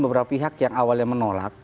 beberapa pihak yang awalnya menolak